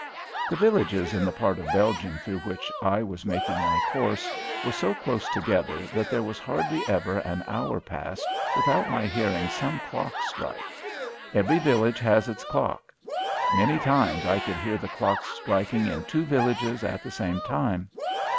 The villages in the part of Belgium through which I was making my course were so close together that there was hardly ever an hour passed without my hearing some clock strike. Every village has its clock. Many times I could hear the clocks striking in two villages at the same time.